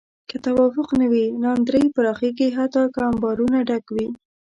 که توافق نه وي، ناندرۍ پراخېږي حتی که انبارونه ډک وي.